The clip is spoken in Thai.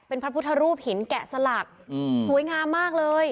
เป็นพระพุทธรูปหินแกะสลักสวยงามมากเลย